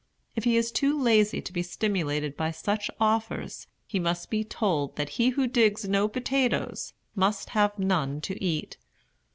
If he is too lazy to be stimulated by such offers, he must be told that he who digs no potatoes must have none to eat.